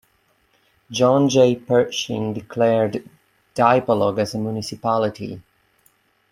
John J. Pershing declared Dipolog as a Municipality.